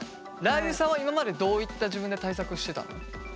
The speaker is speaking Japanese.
らー油さんは今までどういった自分で対策してたの？